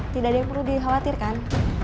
tidak ada yang perlu dikhawatirkan